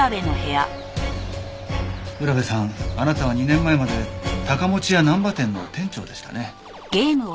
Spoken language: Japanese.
占部さんあなたは２年前まで高持屋難波店の店長でしたね？